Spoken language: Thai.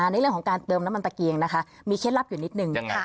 ในเรื่องของการเติมน้ำมันตะเกียงนะคะมีเคล็ดลับอยู่นิดนึง